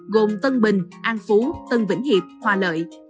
gồm tân bình an phú tân vĩnh hiệp hòa lợi